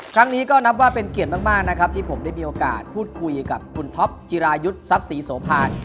ครั้งนี้ก็นับว่าเป็นเกียรติมากนะครับที่ผมได้มีโอกาสพูดคุยกับคุณท็อปจิรายุทธ์ทรัพย์ศรีโสภาน